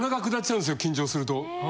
緊張すると。